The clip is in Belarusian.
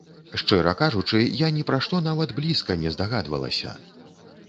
Шчыра кажучы, я ні пра што нават блізка не здагадвалася!